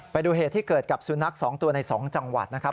ไปดูเหตุที่เกิดกับสุนัข๒ตัวใน๒จังหวัดนะครับ